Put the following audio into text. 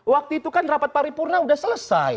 waktu itu kan rapat paripurna sudah selesai